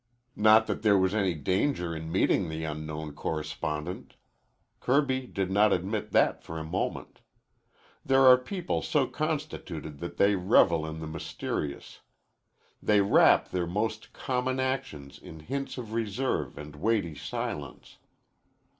Not that there was any danger in meeting the unknown correspondent. Kirby did not admit that for a moment. There are people so constituted that they revel in the mysterious. They wrap their most common actions in hints of reserve and weighty silence.